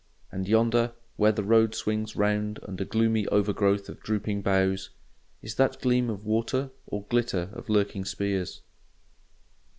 And yonder, where the road swings round under gloomy overgrowth of drooping boughs—is that gleam of water or glitter of lurking spears?